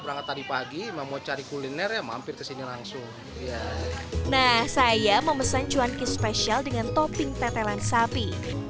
nah saya memesan cuanki spesial dengan topping tetelan sapi